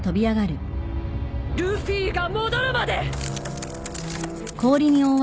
ルフィが戻るまで！